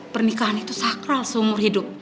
pernikahan itu sakral seumur hidup